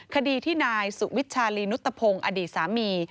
คดีที่นายสุวิชาลีนุตพงศ์อดีตสามี